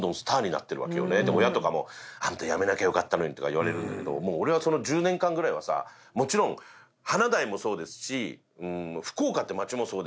「で親とかも『あんた辞めなきゃよかったのに』とか言われるけど俺はその１０年間ぐらいはさもちろん華大もそうですし福岡って街もそうですし